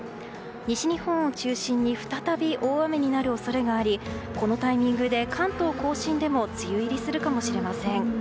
西日本を中心に再び大雨になる恐れがありこのタイミングで関東・甲信でも梅雨入りするかもしれません。